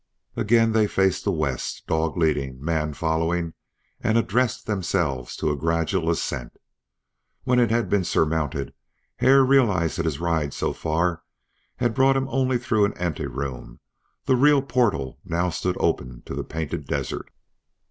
Again they faced the west, dog leading, man following, and addressed themselves to a gradual ascent. When it had been surmounted Hare realized that his ride so far had brought him only through an anteroom; the real portal now stood open to the Painted Desert.